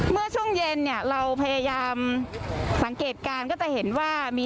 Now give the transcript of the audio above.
เมื่อช่วงเย็นเนี่ยเราพยายามสังเกตการณ์ก็จะเห็นว่ามี